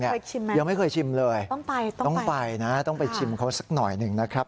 เคยชิมไหมต้องไปต้องไปนะครับต้องไปต้องไปชิมเขาสักหน่อยหนึ่งนะครับ